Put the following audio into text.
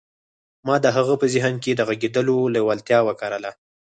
ما د هغه په ذهن کې د غږېدلو لېوالتیا وکرله